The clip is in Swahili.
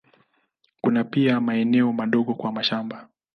Kuna pia maeneo madogo kwa mashamba.